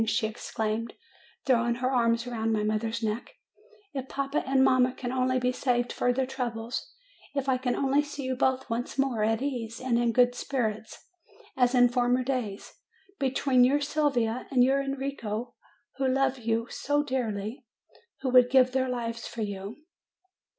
she exclaimed, throwing her arms around my mother's neck, "if papa and mamma can only be saved further troubles, if I can only see you both once more at ease, and in good spirits, as in former days, between your Sylvia and your Enrico, who love you so dearly, who would give their lives for you